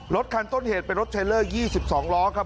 รถคันต้นเหตุเป็นรถเทลเลอร์๒๒ล้อครับ